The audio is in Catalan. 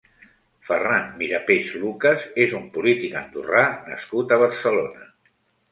Ferran Mirapeix Lucas és un polític andorrà nascut a Barcelona.